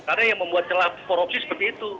karena yang membuat celah korupsi seperti itu